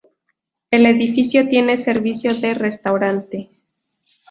El edificio tiene servicio de restaurante.